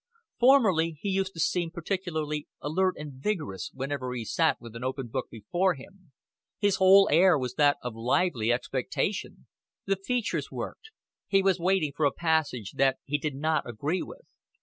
Formerly he used to seem particularly alert and vigorous whenever he sat with an open book before him; his whole air was that of lively expectation; the features worked; he was waiting for a passage that he did not agree with.